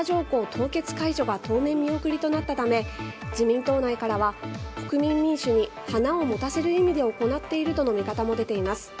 凍結解除が当面見送りとなったため自民党内からは国民民主に花を持たせる意味で行っているとの見方も出ています。